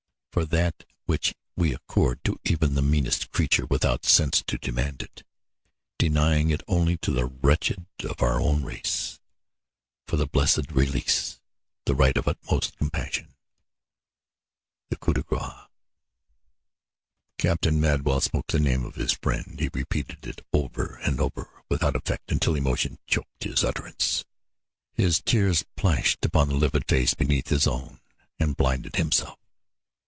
For that which we accord to even the meanest creature without sense to demand it, denying it only to the wretched of our own race: for the blessed release, the rite of uttermost compassion, the coup de gr√¢ce. Captain Madwell spoke the name of his friend. He repeated it over and over without effect until emotion choked his utterance. His tears plashed upon the livid face beneath his own and blinded himself.